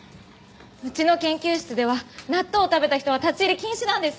うちの研究室では納豆を食べた人は立ち入り禁止なんです。